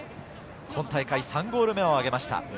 今大会３ゴール目を挙げました。